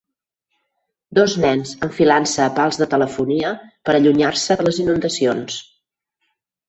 Dos nens enfilant-se a pals de telefonia per allunyar-se de les inundacions.